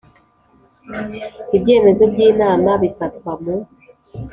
Ibyemezo by inama bifatwa mu